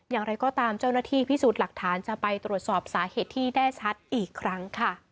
อย่างไรก็ตามเจ้าหน้าที่พิสูจน์หลักฐานจะไปตรวจสอบสาเหตุที่แน่ชัดอีกครั้งค่ะ